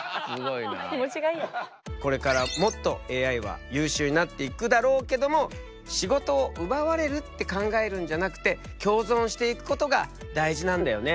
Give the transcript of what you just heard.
これからもっとＡＩは優秀になっていくだろうけども仕事を奪われるって考えるんじゃなくて共存していくことが大事なんだよね。